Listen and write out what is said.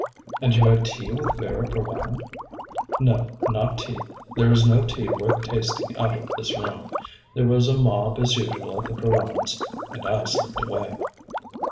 "And you had tea with Vera Provana?" "No not tea. There is no tea worth tasting out of this room. There was a mob as usual at the Provanas' and I slipped away."